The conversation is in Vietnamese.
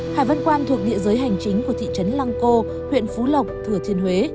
hải văn quang thuộc địa giới hành chính của thị trấn lăng cô huyện phú lộc thừa tiên huế